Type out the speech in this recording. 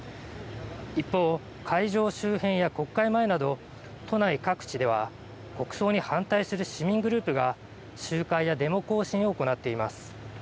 一方、会場周辺や国会前など、都内各地では国葬に反対する市民グループが、集会やデモ行進を行っています。